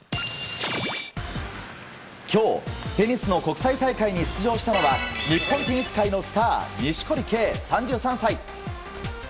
今日、テニスの国際大会に出場したのは日本テニス界のスター錦織圭、３３歳。